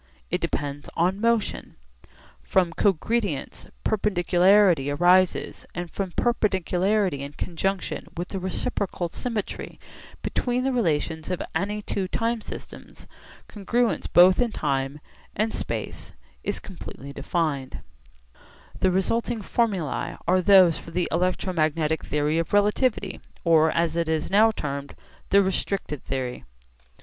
It depends on motion. From cogredience, perpendicularity arises; and from perpendicularity in conjunction with the reciprocal symmetry between the relations of any two time systems congruence both in time and space is completely defined (cf. loc. cit.). The resulting formulae are those for the electromagnetic theory of relativity, or, as it is now termed, the restricted theory.